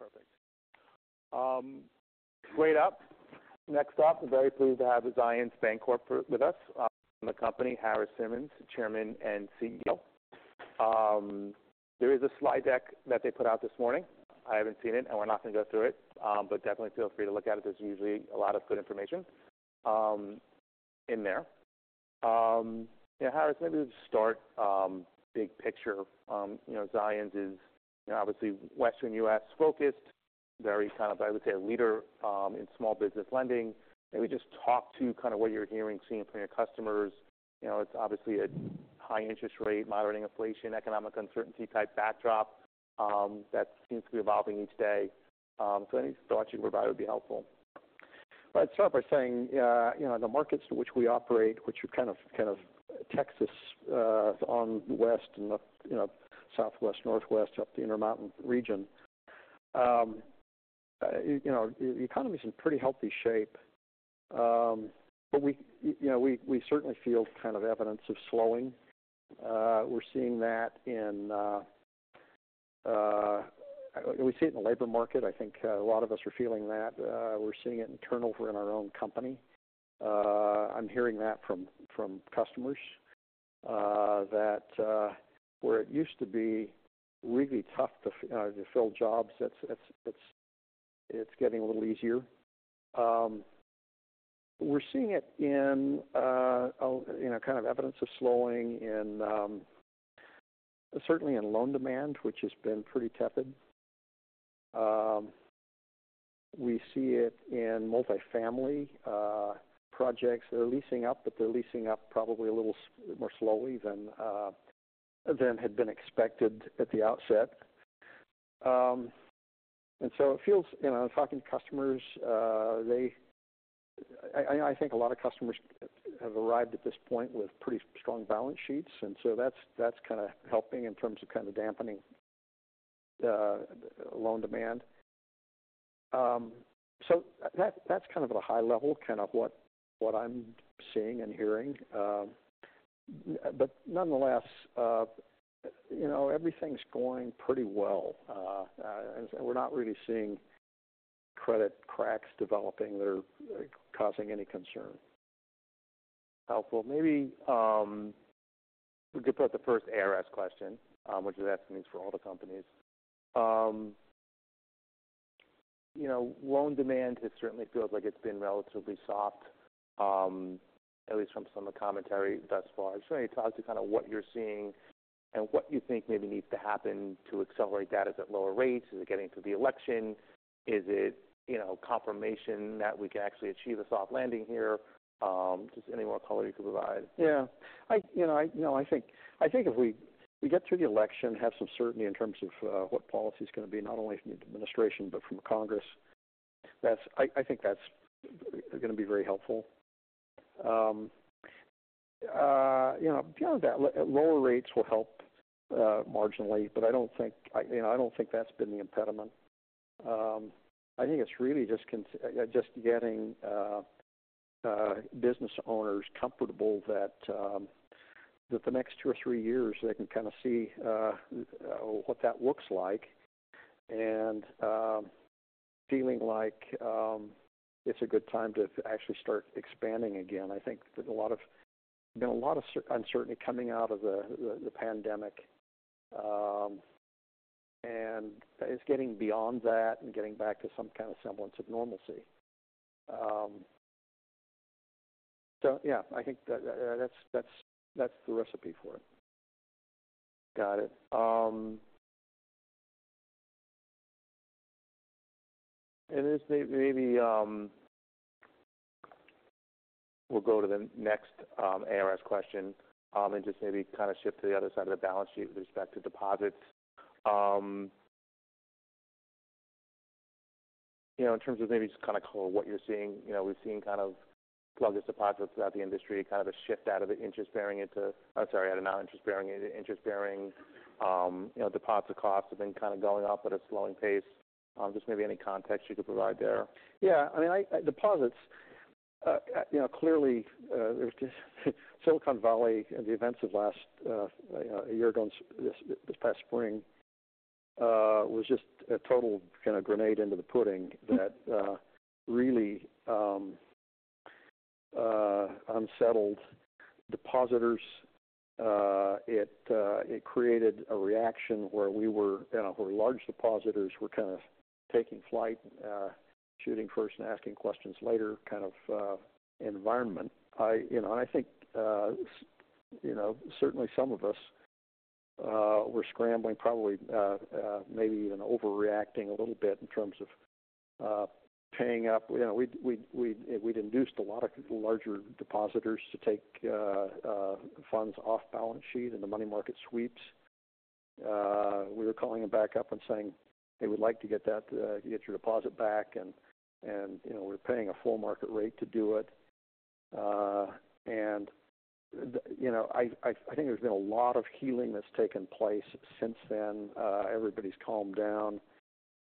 Okay, okay, perfect. Wait up. Next up, we're very pleased to have Zions Bancorporation with us. From the company, Harris Simmons, Chairman and CEO. There is a slide deck that they put out this morning. I haven't seen it, and we're not gonna go through it, but definitely feel free to look at it. There's usually a lot of good information in there. Yeah, Harris, maybe just start big picture. You know, Zions is, you know, obviously Western U.S.-focused, very kind of, I would say, a leader in small business lending. Maybe just talk to kind of what you're hearing, seeing from your customers. You know, it's obviously a high interest rate, moderating inflation, economic uncertainty type backdrop that seems to be evolving each day. So any thoughts you provide would be helpful. I'd start by saying, you know, the markets to which we operate, which are kind of Texas, and West and the Southwest, Northwest, up the Intermountain West, you know, the economy's in pretty healthy shape, but we, you know, we certainly feel kind of evidence of slowing. We're seeing that in the labor market. I think a lot of us are feeling that. We're seeing it in turnover in our own company. I'm hearing that from customers that where it used to be really tough to fill jobs, it's getting a little easier. We're seeing it in, you know, kind of evidence of slowing, certainly in loan demand, which has been pretty tepid. We see it in multifamily projects. They're leasing up, but they're leasing up probably a little more slowly than had been expected at the outset, and so it feels, you know, in talking to customers, I think a lot of customers have arrived at this point with pretty strong balance sheets, and so that's kind of helping in terms of kind of dampening loan demand, so that's kind of at a high level, kind of what I'm seeing and hearing, but nonetheless, you know, everything's going pretty well. We're not really seeing credit cracks developing that are causing any concern. Helpful. Maybe, we could put the first ARS question, which is asking this for all the companies. You know, loan demand, it certainly feels like it's been relatively soft, at least from some of the commentary thus far. Just want you talk to kind of what you're seeing and what you think maybe needs to happen to accelerate that. Is it lower rates? Is it getting through the election? Is it, you know, confirmation that we can actually achieve a soft landing here? Just any more color you can provide. Yeah. I, you know, I, you know, I think, I think if we, we get through the election, have some certainty in terms of what policy is going to be, not only from the administration but from Congress, that's. I, I think that's going to be very helpful. You know, beyond that, lower rates will help marginally, but I don't think, you know, I don't think that's been the impediment. I think it's really just getting business owners comfortable that the next two or three years, they can kind of see what that looks like and feeling like it's a good time to actually start expanding again. I think there's been a lot of uncertainty coming out of the pandemic, and it's getting beyond that and getting back to some kind of semblance of normalcy, so yeah, I think that that's the recipe for it. Got it, and then maybe we'll go to the next ARS question, and just maybe kind of shift to the other side of the balance sheet with respect to deposits. You know, in terms of maybe just kind of color what you're seeing, you know, we've seen kind of sluggish deposits throughout the industry, kind of a shift out of the interest-bearing into... I'm sorry, out of non-interest-bearing into interest-bearing. You know, deposit costs have been kind of going up at a slowing pace. Just maybe any context you could provide there? Yeah. I mean, deposits, you know, clearly, Silicon Valley and the events of last a year ago, this past spring, was just a total kind of grenade into the pudding that really unsettled depositors. It created a reaction where we were, you know, where large depositors were kind of taking flight, shooting first and asking questions later, kind of environment. You know, and I think, you know, certainly some of us were scrambling, probably, maybe even overreacting a little bit in terms of paying up. You know, we'd induced a lot of larger depositors to take funds off balance sheet in the money market sweeps. We were calling them back up and saying, "Hey, we'd like to get that, get your deposit back, and, and, you know, we're paying a full market rate to do it." You know, I think there's been a lot of healing that's taken place since then. Everybody's calmed down,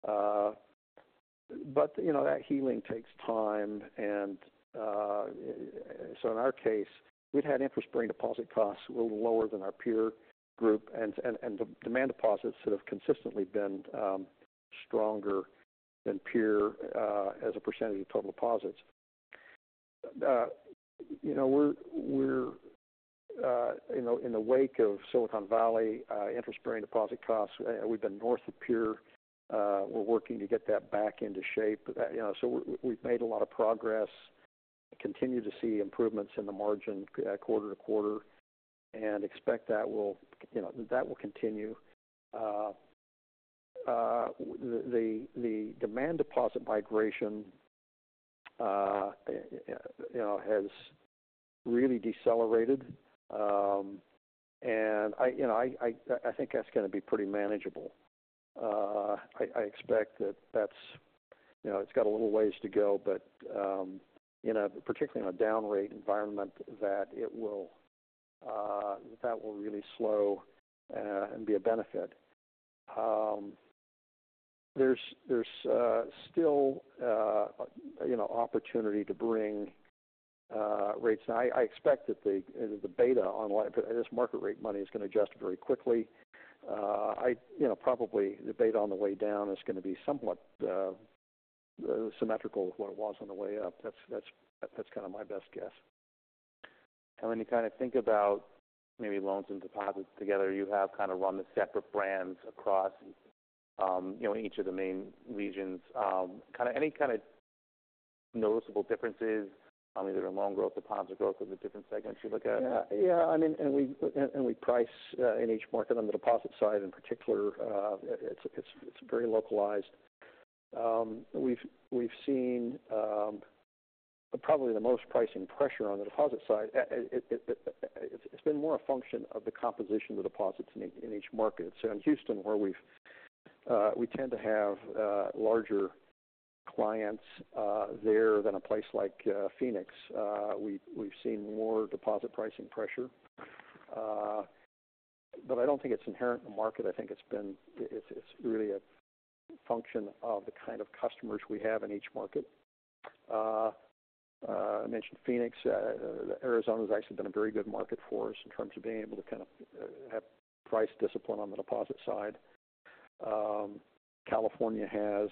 but, you know, that healing takes time, so in our case, we've had interest-bearing deposit costs a little lower than our peer group, and the demand deposits that have consistently been stronger than peer as a percentage of total deposits. You know, we're, you know, in the wake of Silicon Valley interest-bearing deposit costs, we've been north of peer. We're working to get that back into shape. But you know, so we've made a lot of progress, continue to see improvements in the margin quarter to quarter, and expect that will, you know, that will continue. The demand deposit migration, you know, has really decelerated. And I, you know, think that's gonna be pretty manageable. I expect that that's, you know, it's got a little ways to go, but you know, particularly in a down rate environment, that it will, that will really slow and be a benefit. There's you know opportunity to bring rates. I expect that the beta on this market rate money is gonna adjust very quickly. You know, probably the beta on the way down is gonna be somewhat symmetrical with what it was on the way up. That's kind of my best guess. When you kind of think about maybe loans and deposits together, you have kind of run the separate brands across, you know, each of the main regions. Kind of any kind of noticeable differences, either in loan growth, deposits growth with the different segments you look at? Yeah. Yeah, I mean, and we price in each market. On the deposit side, in particular, it's very localized. We've seen probably the most pricing pressure on the deposit side. It's been more a function of the composition of the deposits in each market. So in Houston, where we tend to have larger clients there than a place like Phoenix, we've seen more deposit pricing pressure. But I don't think it's inherent in the market. I think it's been really a function of the kind of customers we have in each market. I mentioned Phoenix. Arizona has actually been a very good market for us in terms of being able to kind of have price discipline on the deposit side. California has.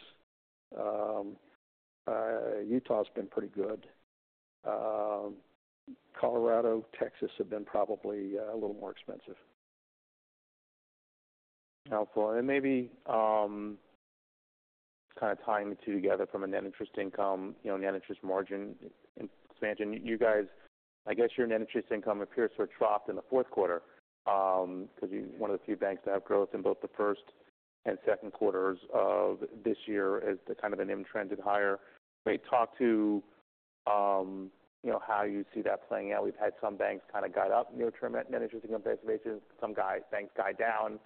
Utah's been pretty good. Colorado, Texas have been probably a little more expensive. Helpful. And maybe, kind of tying the two together from a net interest income, you know, net interest margin expansion. You guys, I guess your net interest income appears sort of dropped in the fourth quarter, because you're one of the few banks to have growth in both the first and second quarters of this year as to kind of the NIM trended higher. Maybe talk to, you know, how you see that playing out. We've had some banks kind of guide up near-term net interest income reservations, some guide, banks guide down,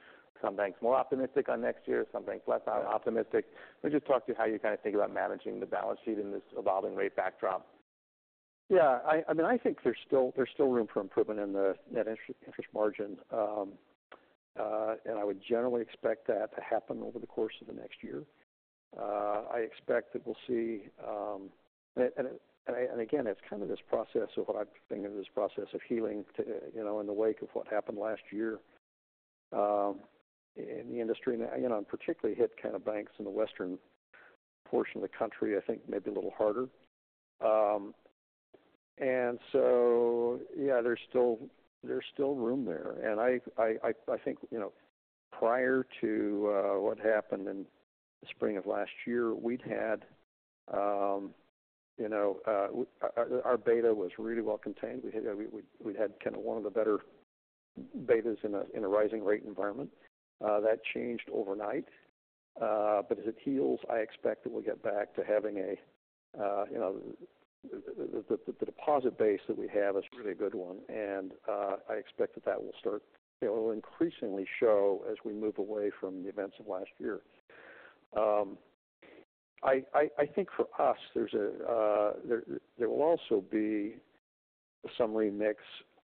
some banks more optimistic on next year, some banks less optimistic. Let me just talk to you how you kind of think about managing the balance sheet in this evolving rate backdrop. Yeah, I mean, I think there's still room for improvement in the net interest margin. And I would generally expect that to happen over the course of the next year. I expect that we'll see. And again, it's kind of this process of what I think of as this process of healing, you know, in the wake of what happened last year in the industry. Now, you know, and particularly hit kind of banks in the western portion of the country, I think maybe a little harder. And so, yeah, there's still room there. And I think, you know, prior to what happened in the spring of last year, we'd had our beta was really well contained. We had kind of one of the better betas in a rising rate environment. That changed overnight. But as it heals, I expect that we'll get back to having a, you know, the deposit base that we have is a really good one, and I expect that that will start, it will increasingly show as we move away from the events of last year. I think for us, there's a, there will also be some remix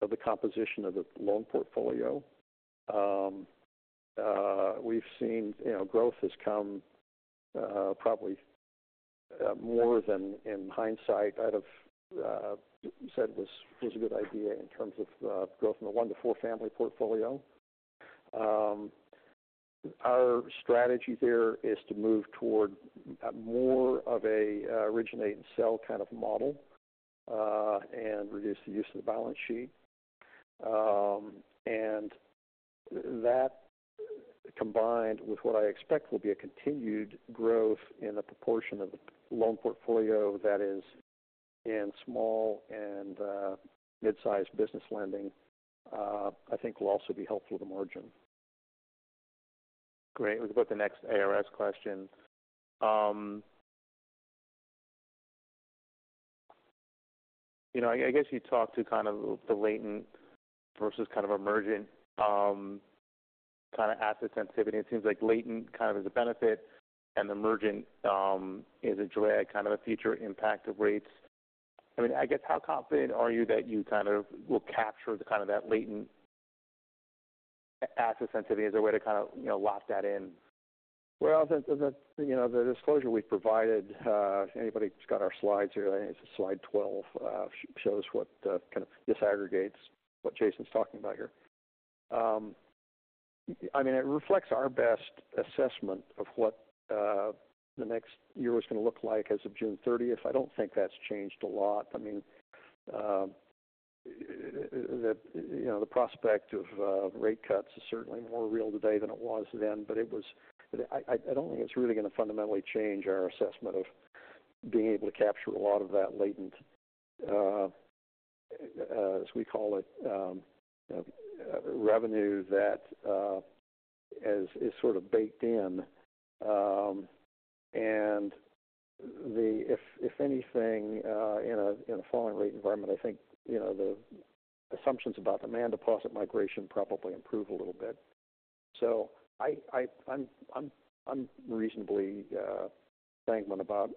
of the composition of the loan portfolio. We've seen, you know, growth has come, probably, more than in hindsight, I'd have said was a good idea in terms of, growth from a one to four family portfolio. Our strategy there is to move toward more of a originate and sell kind of model, and reduce the use of the balance sheet, and that, combined with what I expect will be a continued growth in the proportion of the loan portfolio that is in small and mid-sized business lending, I think will also be helpful to the margin. Great. We'll go to the next ARS question. You know, I guess you talked to kind of the latent versus kind of emergent kind of asset sensitivity. It seems like latent kind of is a benefit and emergent is a drag, kind of a future impact of rates. I mean, I guess, how confident are you that you kind of will capture the kind of that latent asset sensitivity? Is there a way to kind of, you know, lock that in? The disclosure we've provided, you know, if anybody's got our slides here, I think it's slide 12, shows what kind of disaggregates what Jason's talking about here. I mean, it reflects our best assessment of what the next year is gonna look like as of June thirtieth. I don't think that's changed a lot. I mean, you know, the prospect of rate cuts is certainly more real today than it was then, but I don't think it's really gonna fundamentally change our assessment of being able to capture a lot of that latent, as we call it, revenue that as is sort of baked in. And if anything, in a falling rate environment, I think, you know, the assumptions about demand deposit migration probably improve a little bit. So I'm reasonably sanguine about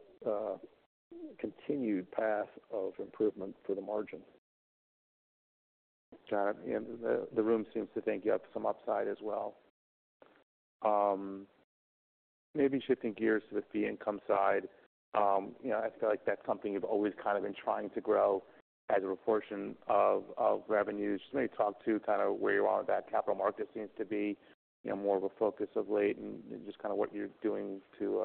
continued path of improvement for the margin. John, and the room seems to think you have some upside as well. Maybe shifting gears to the fee income side. You know, I feel like that's something you've always kind of been trying to grow as a proportion of revenues. Just maybe talk to kind of where you are with that. Capital markets seems to be, you know, more of a focus of late, and just kind of what you're doing to-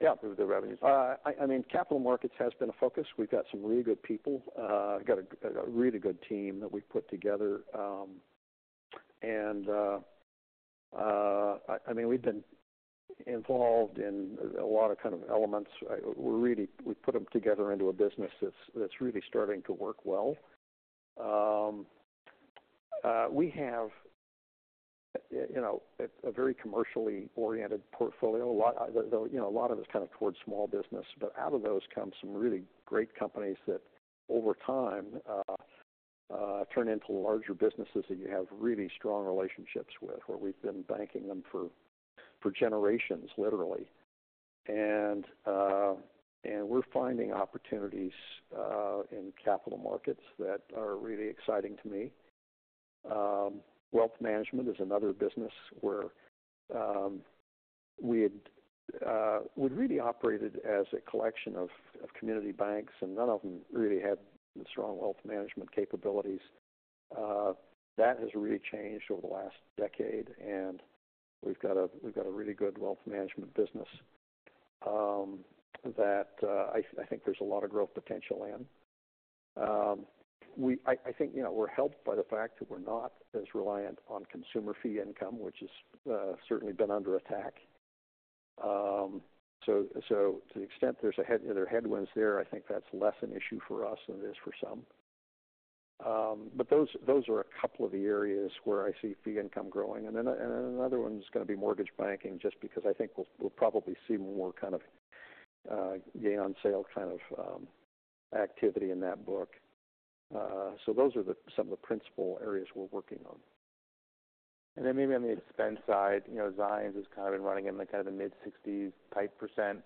Yeah. Move the revenues. I mean, capital markets has been a focus. We've got some really good people. We've got a really good team that we've put together. I mean, we've been involved in a lot of kind of elements. We're really we've put them together into a business that's really starting to work well. We have you know a very commercially oriented portfolio. A lot though, you know, a lot of it's kind of towards small business, but out of those come some really great companies that over time turn into larger businesses that you have really strong relationships with, where we've been banking them for generations, literally. And we're finding opportunities in capital markets that are really exciting to me. Wealth Management is another business where we had, we'd really operated as a collection of community banks, and none of them really had strong Wealth Management capabilities. That has really changed over the last decade, and we've got a really good Wealth Management business, that I think there's a lot of growth potential in. I think, you know, we're helped by the fact that we're not as reliant on consumer fee income, which has certainly been under attack. So, so to the extent there are headwinds there, I think that's less an issue for us than it is for some. But those, those are a couple of the areas where I see fee income growing. Then another one's gonna be mortgage banking, just because I think we'll probably see more kind of gain on sale kind of activity in that book. Those are some of the principal areas we're working on. Maybe on the expense side, you know, Zions has kind of been running in the kind of mid-60s-type percent,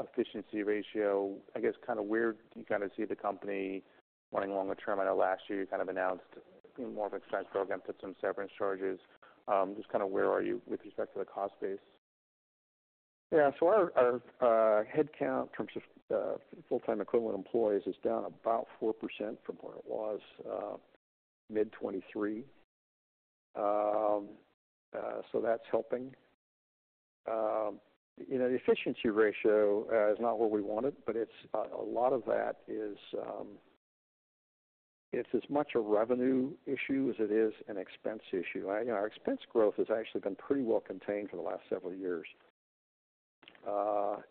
efficiency ratio. I guess, kind of where do you kind of see the company running longer term? I know last year, you kind of announced more of expense program, put some severance charges. Just kind of where are you with respect to the cost base? Yeah. So our headcount in terms of full-time equivalent employees is down about 4% from what it was mid 2023. So that's helping. You know, the efficiency ratio is not where we want it, but it's a lot of that is it's as much a revenue issue as it is an expense issue. You know, our expense growth has actually been pretty well contained for the last several years.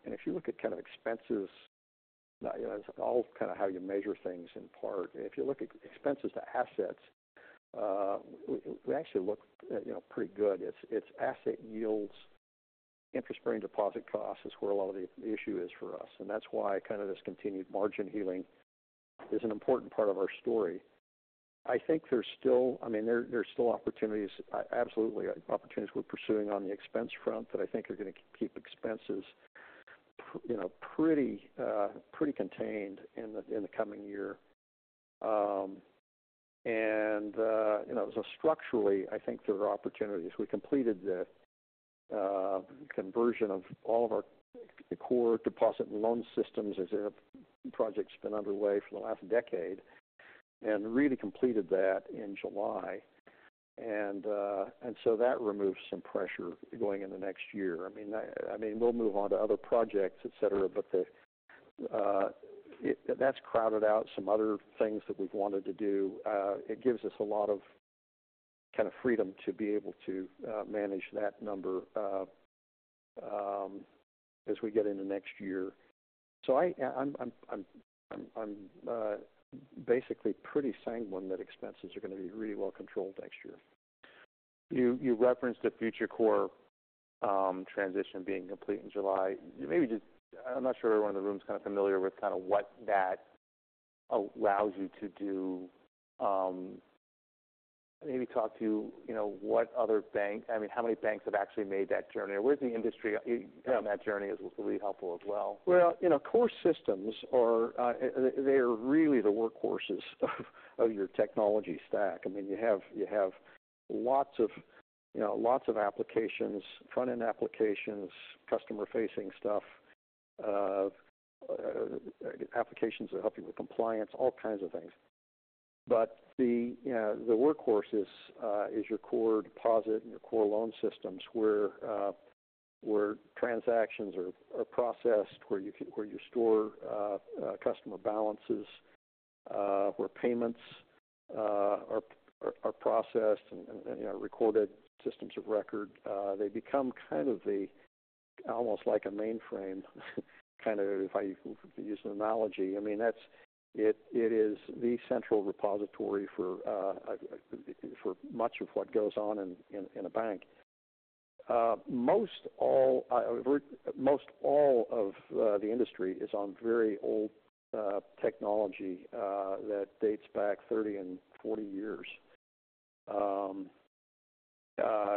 And if you look at kind of expenses, you know, it's all kind of how you measure things in part. If you look at expenses to assets, we actually look you know, pretty good. It's asset yields, interest-bearing deposit costs is where a lot of the issue is for us, and that's why kind of this continued margin healing is an important part of our story. I think there's still... I mean, there, there's still opportunities, absolutely, opportunities we're pursuing on the expense front that I think are gonna keep expenses you know, pretty contained in the, in the coming year. And, you know, so structurally, I think there are opportunities. We completed the conversion of all of our core deposit and loan systems, as that project's been underway for the last decade, and really completed that in July. And, and so that removes some pressure going in the next year. I mean, we'll move on to other projects, et cetera, but that's crowded out some other things that we've wanted to do. It gives us a lot of kind of freedom to be able to manage that number as we get into next year. So I'm basically pretty sanguine that expenses are gonna be really well controlled next year. You, you referenced the FutureCore, transition being complete in July. Maybe just... I'm not sure everyone in the room is kind of familiar with kind of what that allows you to do. Maybe talk to, you know, what other bank-- I mean, how many banks have actually made that journey? Or where's the industry- Yeah On that journey is, was really helpful as well. You know, core systems are. They are really the workhorses of your technology stack. I mean, you have lots of, you know, applications, front-end applications, customer-facing stuff, applications that help you with compliance, all kinds of things. But the workhorse is your core deposit and your core loan systems, where transactions are processed, where you store customer balances, where payments are processed and, you know, recorded, systems of record. They become kind of almost like a mainframe, kind of, if I use an analogy. I mean, that's it. It is the central repository for much of what goes on in a bank. Most all of the industry is on very old technology that dates back 30 and 40 years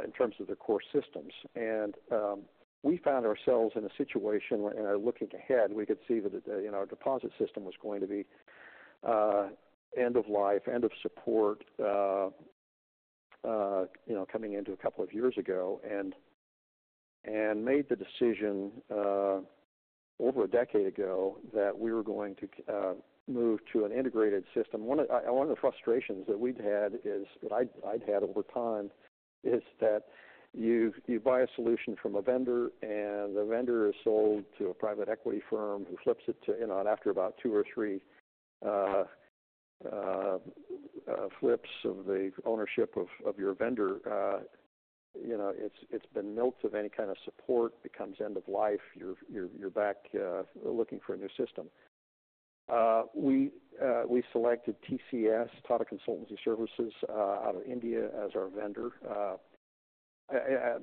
in terms of their core systems. We found ourselves in a situation where, looking ahead, we could see that the, you know, our deposit system was going to be end of life, end of support, you know, coming into a couple of years ago, and made the decision over a decade ago that we were going to move to an integrated system. One of the frustrations that we'd had is, that I'd had over time, is that you buy a solution from a vendor, and the vendor is sold to a private equity firm who flips it to, you know, and after about two or three flips of the ownership of your vendor, you know, it's been milked of any kind of support, becomes end of life. You're back looking for a new system. We selected TCS, Tata Consultancy Services, out of India, as our vendor.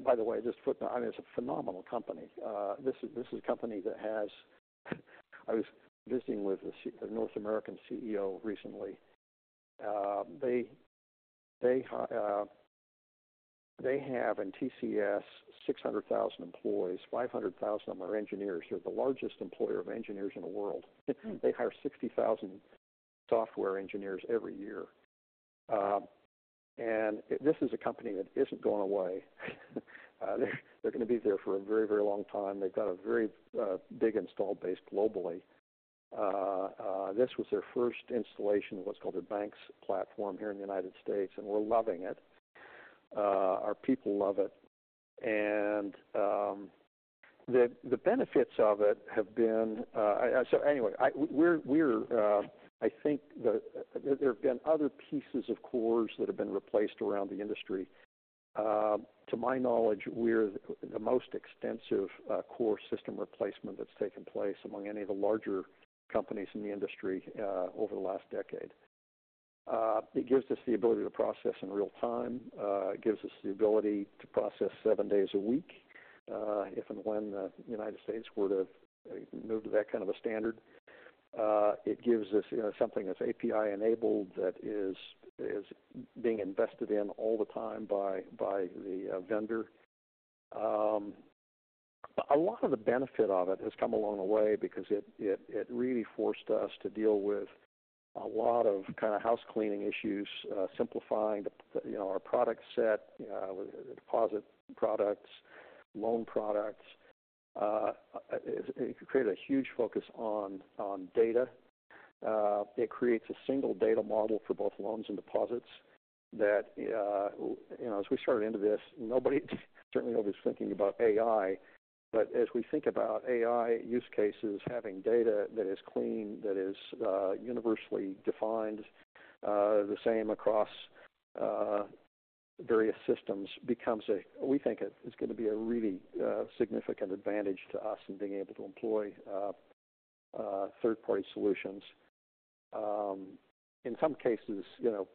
By the way, just a footnote, I mean, it's a phenomenal company. This is a company that has... I was visiting with the North American CEO recently. They have, in TCS, 600,000 employees. 500,000 of them are engineers. They're the largest employer of engineers in the world. They hire 60,000 software engineers every year. And this is a company that isn't going away. They're gonna be there for a very, very long time. They've got a very big installed base globally. This was their first installation of what's called a BaNCS platform here in the United States, and we're loving it. Our people love it. And the benefits of it have been... So anyway, I think there have been other pieces of cores that have been replaced around the industry. To my knowledge, we're the most extensive core system replacement that's taken place among any of the larger companies in the industry over the last decade. It gives us the ability to process in real time. It gives us the ability to process seven days a week, if and when the United States were to move to that kind of a standard. It gives us, you know, something that's API-enabled, that is being invested in all the time by the vendor. A lot of the benefit of it has come along the way because it really forced us to deal with a lot of kind of housecleaning issues, simplifying the, you know, our product set, the deposit products, loan products. It created a huge focus on data. It creates a single data model for both loans and deposits that, you know, as we started into this, nobody certainly was thinking about AI. But as we think about AI use cases, having data that is clean, that is, universally defined, the same across various systems. We think it is gonna be a really significant advantage to us in being able to employ third-party solutions. In some cases, you know,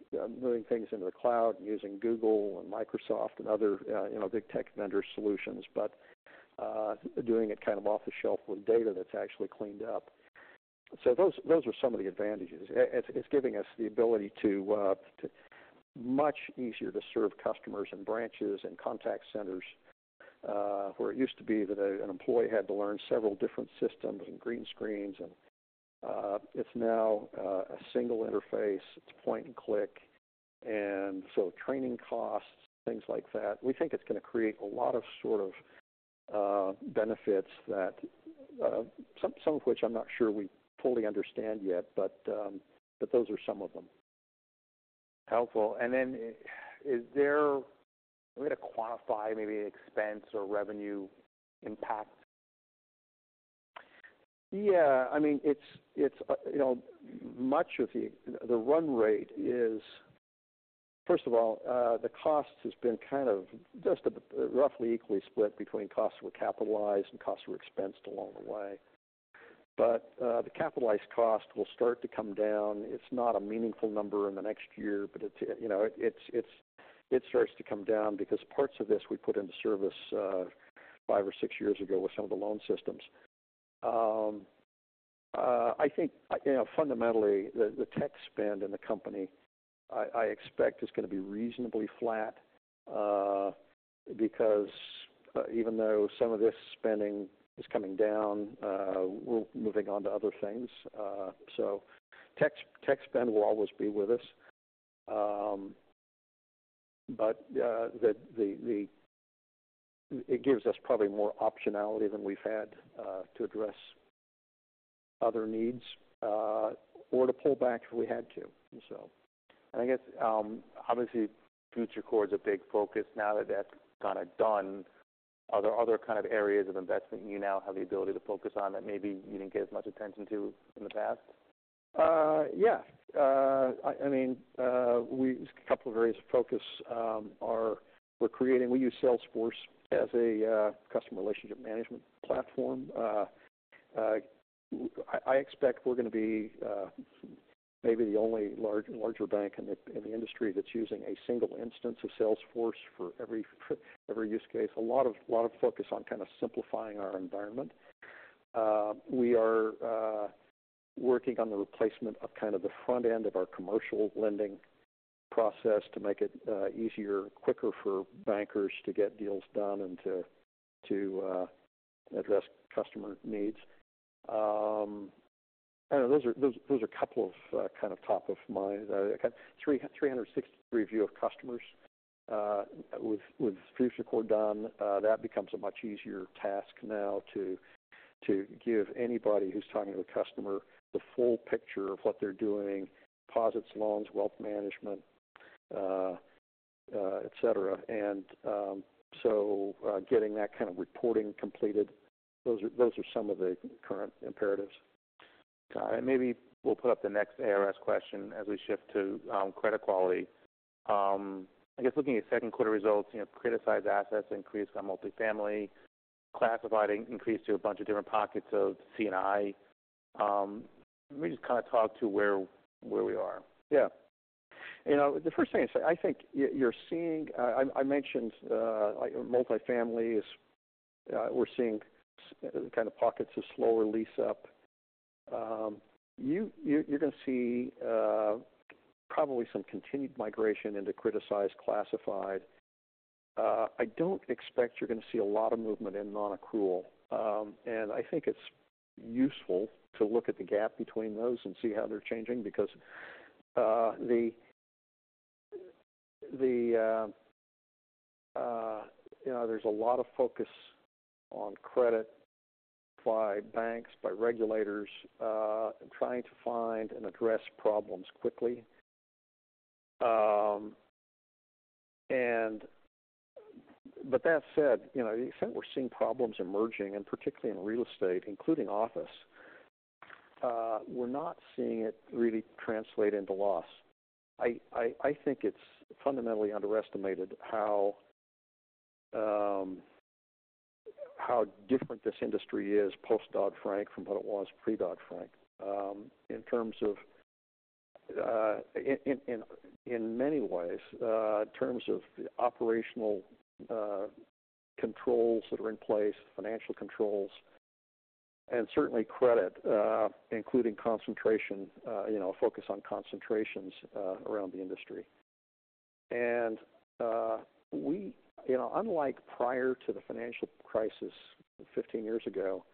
moving things into the cloud, using Google and Microsoft and other you know big tech vendor solutions, but doing it kind of off the shelf with data that's actually cleaned up. So those are some of the advantages. It's giving us the ability to much easier to serve customers in branches and contact centers. Where it used to be that an employee had to learn several different systems and green screens, and it's now a single interface. It's point and click. Training costs, things like that, we think it's gonna create a lot of sort of benefits that some of which I'm not sure we fully understand yet. But those are some of them. Helpful. And then, is there a way to quantify maybe expense or revenue impact? Yeah. I mean, it's you know, much of the run rate is... First of all, the cost has been kind of just a roughly equally split between costs were capitalized and costs were expensed along the way. But the capitalized cost will start to come down. It's not a meaningful number in the next year, but it's you know, it starts to come down because parts of this we put into service five or six years ago with some of the loan systems. I think you know, fundamentally, the tech spend in the company I expect is gonna be reasonably flat because even though some of this spending is coming down, we're moving on to other things. So tech spend will always be with us. But it gives us probably more optionality than we've had to address other needs or to pull back if we had to, so. I guess, obviously, FutureCore is a big focus. Now that that's kind of done, are there other kind of areas of investment you now have the ability to focus on that maybe you didn't give as much attention to in the past? Yeah. I mean, a couple of areas of focus. We use Salesforce as a customer relationship management platform. I expect we're gonna be maybe the only larger bank in the industry that's using a single instance of Salesforce for every use case. A lot of focus on kind of simplifying our environment. We are working on the replacement of kind of the front end of our commercial lending process to make it easier, quicker for bankers to get deals done and to address customer needs. I don't know. Those are a couple of kind of top of mind. I got 360 view of customers. With FutureCore done, that becomes a much easier task now to give anybody who's talking to the customer the full picture of what they're doing: deposits, loans, Wealth Management, et cetera. And so, getting that kind of reporting completed, those are some of the current imperatives. Got it. Maybe we'll put up the next ARS question as we shift to credit quality. I guess, looking at second quarter results, you know, criticized assets increased on multifamily. Classified increased to a bunch of different pockets of C&I. Can we just kind of talk to where we are? Yeah. You know, the first thing I'd say, I think you're seeing. I mentioned, like, multifamily is, we're seeing kind of pockets of slower lease up. You're gonna see, probably some continued migration into criticized classified. I don't expect you're gonna see a lot of movement in nonaccrual. And I think it's useful to look at the gap between those and see how they're changing, because, you know, there's a lot of focus on credit by banks, by regulators, trying to find and address problems quickly. And but that said, you know, the extent we're seeing problems emerging, and particularly in real estate, including office, we're not seeing it really translate into loss. I think it's fundamentally underestimated how different this industry is post-Dodd-Frank from what it was pre-Dodd-Frank, in terms of, in many ways, in terms of operational controls that are in place, financial controls, and certainly credit, including concentration, you know, focus on concentrations around the industry, and we, you know, unlike prior to the financial crisis 15 years ago,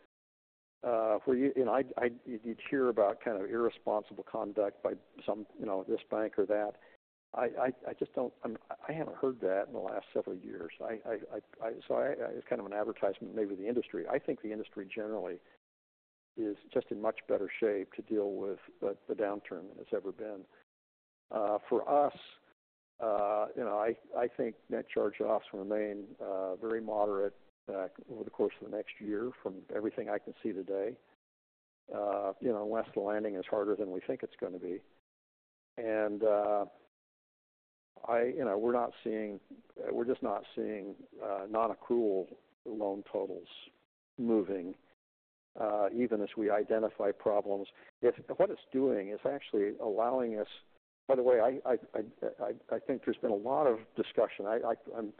where you, you know, you'd hear about kind of irresponsible conduct by some, you know, this bank or that. I just don't. I haven't heard that in the last several years. It's kind of an advertisement, maybe the industry. I think the industry generally is just in much better shape to deal with the downturn than it's ever been. For us, you know, I think net charge-offs remain very moderate over the course of the next year, from everything I can see today. You know, unless the landing is harder than we think it's gonna be. I, you know, we're not seeing, we're just not seeing, nonaccrual loan totals moving, even as we identify problems. It's what it's doing is actually allowing us. By the way, I think there's been a lot of discussion. I'm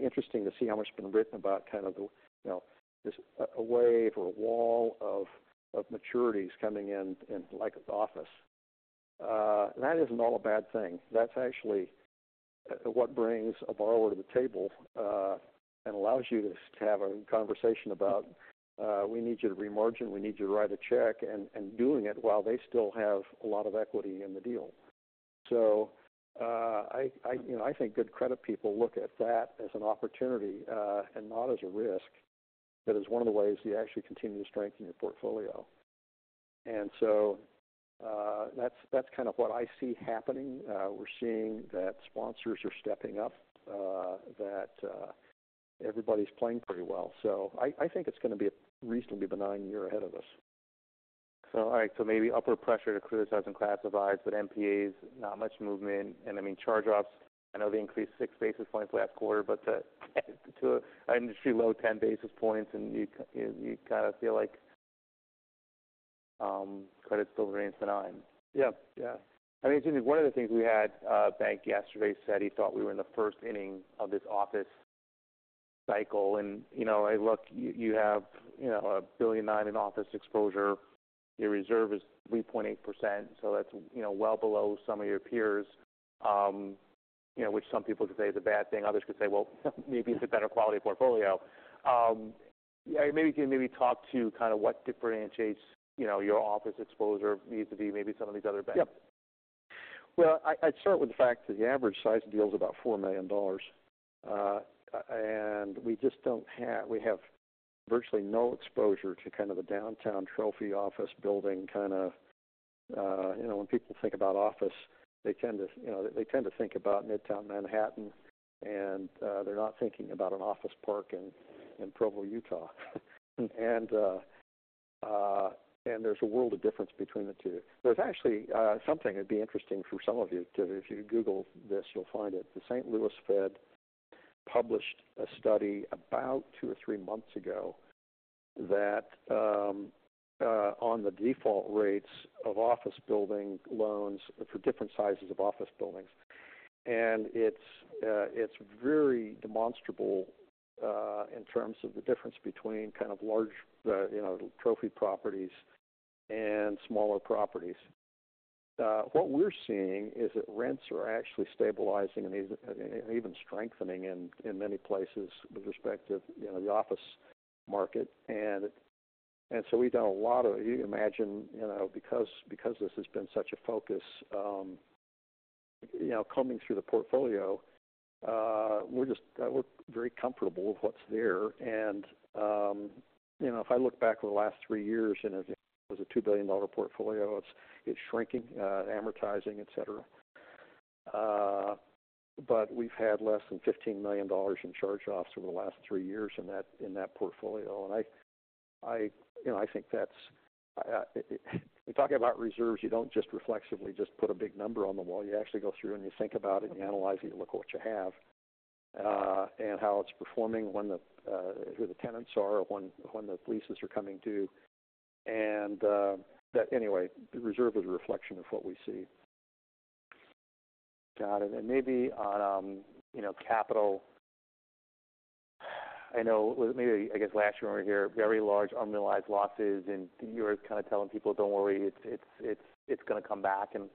interested to see how much has been written about kind of the, you know, this, a wave or a wall of maturities coming in, like, office. That isn't all a bad thing. That's actually what brings a borrower to the table and allows you to have a conversation about we need you to re-margin, and we need you to write a check, and doing it while they still have a lot of equity in the deal, so you know I think good credit people look at that as an opportunity and not as a risk. That is one of the ways you actually continue to strengthen your portfolio, and so that's kind of what I see happening. We're seeing that sponsors are stepping up, that everybody's playing pretty well, so I think it's gonna be a reasonably benign year ahead of us. So, all right. So maybe upward pressure to criticized and classified, but NPAs, not much movement. And I mean, charge-offs, I know they increased 6 basis points last quarter, but to an industry low 10 basis points, and you kind of feel like credit still remains benign. Yeah. Yeah. I mean, it's interesting. One of the things we had, bank yesterday said he thought we were in the first inning of this office cycle, and, you know, I look, you have, you know, $1.9 billion in office exposure. Your reserve is 3.8%, so that's, you know, well below some of your peers. You know, which some people could say is a bad thing. Others could say, well, maybe it's a better quality portfolio. Yeah, maybe can you maybe talk to kind of what differentiates, you know, your office exposure needs to be, maybe some of these other banks? Yep. Well, I, I'd start with the fact that the average size deal is about $4 million. And we just don't have. We have virtually no exposure to kind of the downtown trophy office building, kind of, you know, when people think about office, they tend to, you know, they tend to think about Midtown Manhattan, and, and there's a world of difference between the two. There's actually something that'd be interesting for some of you, too, if you Google this, you'll find it. The St. Louis Fed published a study about two or three months ago, that on the default rates of office building loans for different sizes of office buildings. And it's very demonstrable in terms of the difference between kind of large, you know, trophy properties and smaller properties. What we're seeing is that rents are actually stabilizing and even strengthening in many places with respect to, you know, the office market. And so we've done a lot of... You can imagine, you know, because this has been such a focus, you know, combing through the portfolio, we're very comfortable with what's there. And, you know, if I look back over the last three years, and it was a $2 billion portfolio, it's shrinking, amortizing, et cetera. But we've had less than $15 million in charge-offs over the last three years in that portfolio. And I, you know, I think that's... When talking about reserves, you don't just reflexively put a big number on the wall. You actually go through, and you think about it, and you analyze it. You look at what you have, and how it's performing, who the tenants are, when the leases are coming due. And that, anyway, the reserve is a reflection of what we see. Got it. And maybe on, you know, capital. I know, maybe, I guess, last year when we were here, very large unrealized losses, and you were kind of telling people, "Don't worry, it's going to come back." And I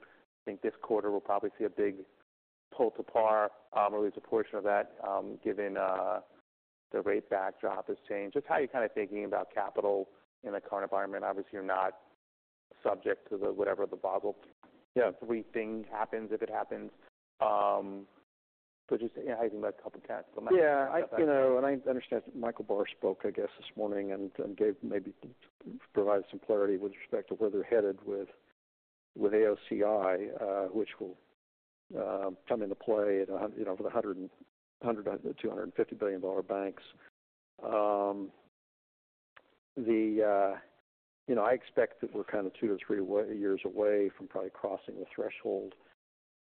think this quarter we'll probably see a big pull to par, or at least a portion of that, given the rate backdrop has changed. Just how you're kind of thinking about capital in the current environment. Obviously, you're not subject to the, whatever the Basel- Yeah... three things happens, if it happens. So just, yeah, how you think about capital, kind of the- Yeah. You know, and I understand Michael Barr spoke, I guess, this morning and gave, maybe provided some clarity with respect to where they're headed with AOCI, which will come into play with $100 billion-$250 billion banks. You know, I expect that we're kind of two to three years away from probably crossing the threshold.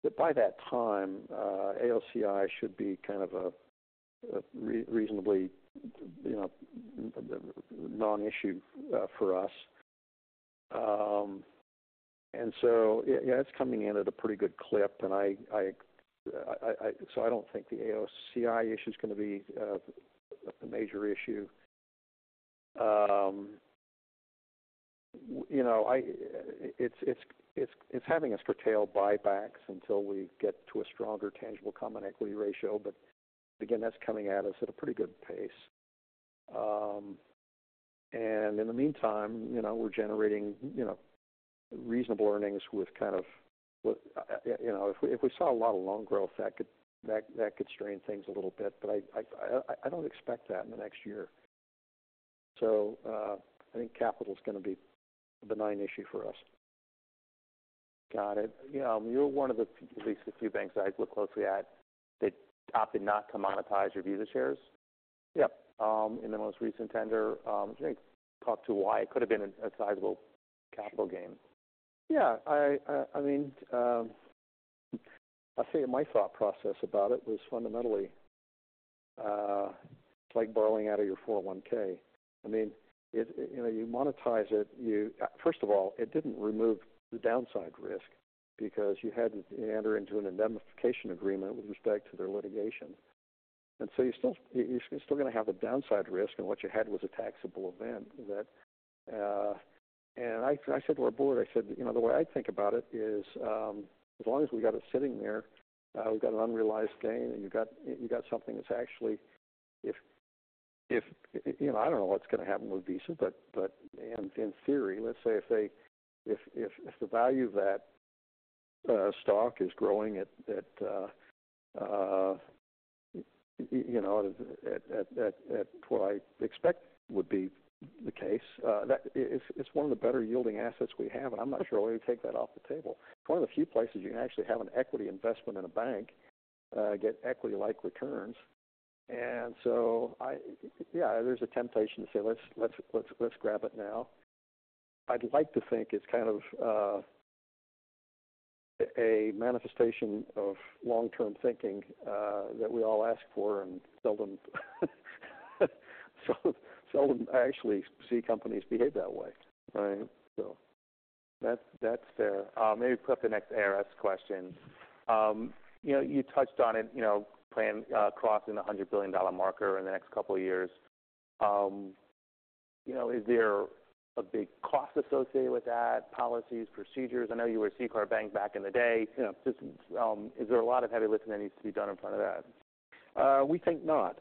But by that time, AOCI should be kind of a reasonably non-issue for us. And so, yeah, it's coming in at a pretty good clip. So I don't think the AOCI issue is going to be a major issue. You know, it's having us curtail buybacks until we get to a stronger tangible common equity ratio, but again, that's coming at us at a pretty good pace. In the meantime, you know, we're generating, you know, reasonable earnings with kind of, you know, if we saw a lot of loan growth, that could strain things a little bit, but I don't expect that in the next year, so I think capital's gonna be a benign issue for us. Got it. You know, you're one of the at least few banks I look closely at that opted not to monetize your Visa shares. Yep. In the most recent tender. Can you talk to why? It could have been a sizable capital gain. Yeah. I mean, I'll say my thought process about it was fundamentally, it's like borrowing out of your 401(k). I mean, it, you know, you monetize it, you. First of all, it didn't remove the downside risk because you had to enter into an indemnification agreement with respect to their litigation. And so you're still gonna have a downside risk, and what you had was a taxable event that. I said to our board, "You know, the way I think about it is, as long as we got it sitting there, we've got an unrealized gain, and you've got, you got something that's actually, if you know, I don't know what's going to happen with Visa," but in theory, let's say if they, if the value of that stock is growing at what I expect would be the case, that. It's one of the better-yielding assets we have, and I'm not sure why you'd take that off the table. It's one of the few places you can actually have an equity investment in a bank get equity-like returns. And so, yeah, there's a temptation to say, "Let's, let's, let's, let's grab it now." I'd like to think it's kind of a manifestation of long-term thinking that we all ask for and seldom, seldom, seldom actually see companies behave that way. Right? So.... That's, that's fair. Maybe put up the next ARS question. You know, you touched on it, you know, plan crossing the $100 billion marker in the next couple of years. You know, is there a big cost associated with that, policies, procedures? I know you were at CCAR bank back in the day, you know, is there a lot of heavy lifting that needs to be done in front of that? We think not.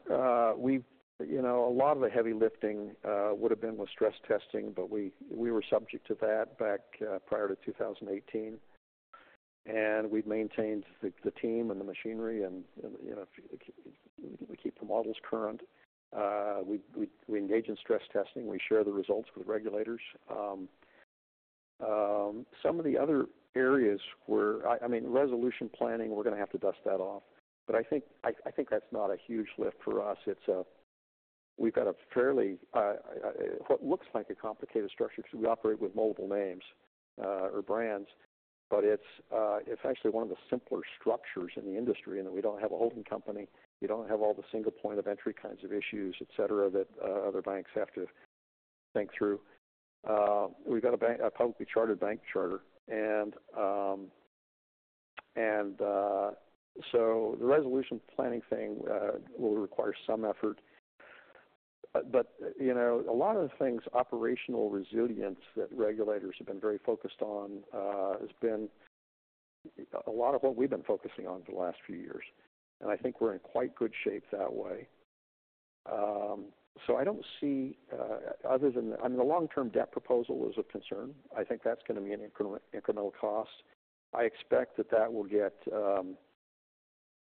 You know, a lot of the heavy lifting would have been with stress testing, but we were subject to that back prior to two thousand and eighteen, and we've maintained the team and the machinery, and you know, we keep the models current. We engage in stress testing. We share the results with regulators. Some of the other areas. I mean, resolution planning, we're gonna have to dust that off, but I think that's not a huge lift for us. It's. We've got a fairly what looks like a complicated structure because we operate with multiple names or brands, but it's actually one of the simpler structures in the industry, in that we don't have a holding company. We don't have all the single point of entry kinds of issues, et cetera, that other banks have to think through. We've got a bank, a publicly chartered bank charter, and so the resolution planning thing will require some effort, but you know, a lot of the things, operational resilience, that regulators have been very focused on has been a lot of what we've been focusing on for the last few years, and I think we're in quite good shape that way, so I don't see other than the... I mean, the long-term debt proposal is a concern. I think that's gonna be an incremental cost. I expect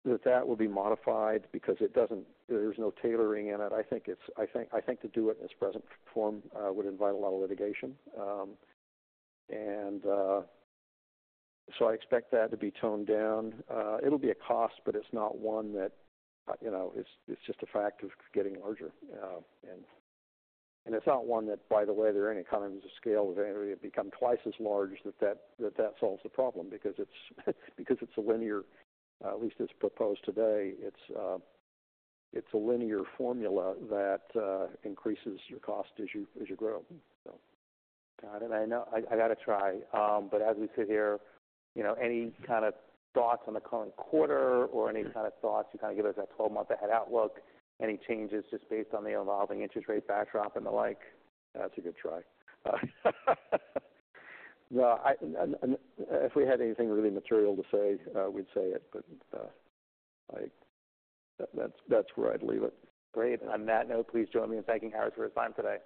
that that will be modified because it doesn't. There's no tailoring in it. I think to do it in its present form would invite a lot of litigation, so I expect that to be toned down. It'll be a cost, but it's not one that, you know, it's just a fact of getting larger, and it's not one that, by the way, there are any economies of scale, if any, become twice as large that solves the problem, because it's a linear formula, at least as proposed today, that increases your cost as you grow, so. Got it. I know, I gotta try, but as we sit here, you know, any kind of thoughts on the current quarter or any kind of thoughts to kind of give us that 12-month ahead outlook? Any changes just based on the evolving interest rate backdrop and the like? That's a good try. No, if we had anything really material to say, we'd say it, but, I... That's, that's where I'd leave it. Great. On that note, please join me in thanking Harris for his time today.